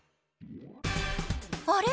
あれ？